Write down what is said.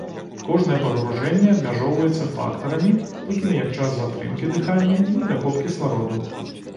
Кожнае пагружэнне абмяжоўваецца фактарамі, такімі як час затрымкі дыхання і недахоп кіслароду.